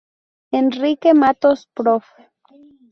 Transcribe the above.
Enrique Matos Prof.